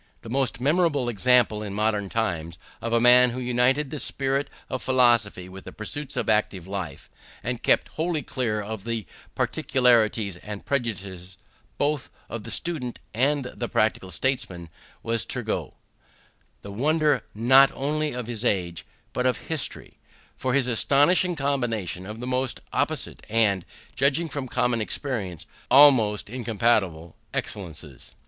The most memorable example in modern times of a man who united the spirit of philosophy with the pursuits of active life, and kept wholly clear from the partialities and prejudices both of the student and of the practical statesman, was Turgot; the wonder not only of his age, but of history, for his astonishing combination of the most opposite, and, judging from common experience, almost incompatible excellences.